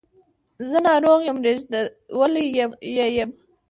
زه ناروغ یم ریږدولی یې یم